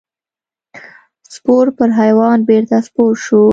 سپور پر حیوان بېرته سپور شو.